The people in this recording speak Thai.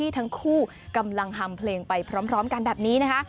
ทั้งคู่กำลังทำเพลงไปพร้อมกันแบบนี้นะคะ